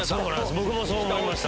僕もそう思いました。